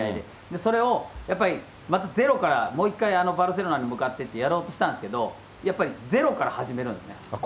それをやっぱりまたゼロからもう一回バルセロナに向かってやろうとしたんですけど、やっぱりゼロから始めるんですね。